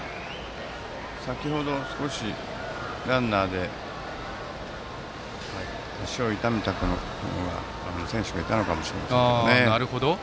先程、少しランナーで足を痛めた選手がいたのかもしれませんね。